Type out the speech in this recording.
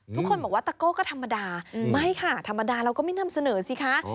ทุกคนบอกว่าตะโก้ก็ธรรมดาไม่ค่ะธรรมดาเราก็ไม่นำเสนอสิคะ